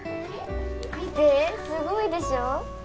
見てすごいでしょ？